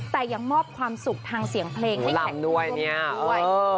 แต่ยังมอบความสุขทางเสียงเพลงให้แข็งด้วย